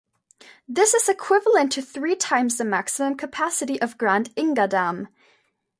This is equivalent to three times the maximum capacity of Grand Inga Dam.